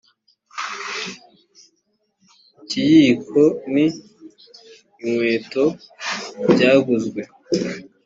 ikiyiko ni inkweto byaguzwe